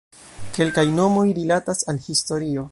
Kelkaj nomoj rilatas al historio.